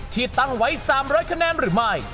ที่ตั้งไว้๓๐๐คะแนนหรือไม่